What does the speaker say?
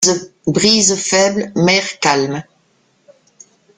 Brise faible, mer calme.